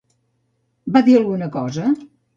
Va dir alguna cosa?